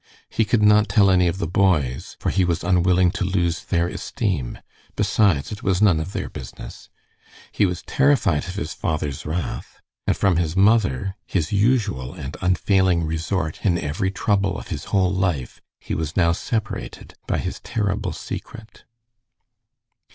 He could not tell any of the boys, for he was unwilling to lose their esteem, besides, it was none of their business; he was terrified of his father's wrath, and from his mother, his usual and unfailing resort in every trouble of his whole life, he was now separated by his terrible secret.